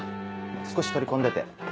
少し取り込んでて。